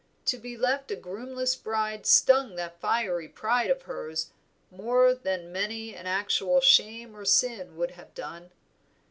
To be left a groomless bride stung that fiery pride of hers more than many an actual shame or sin would have done.